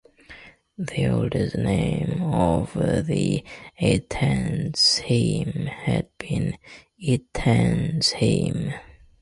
The oldest name of the Eitensheim had been "Itensheim".